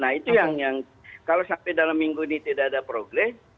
nah itu yang kalau sampai dalam minggu ini tidak ada progres